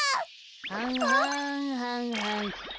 はんはんはんはん。あっ。